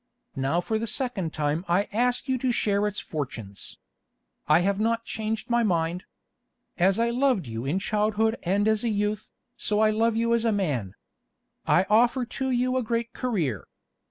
Now for the second time I ask you to share its fortunes. I have not changed my mind. As I loved you in childhood and as a youth, so I love you as a man. I offer to you a great career.